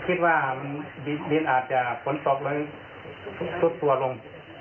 คิดว่าดินอาจจะผลตกลงทุกตัวลง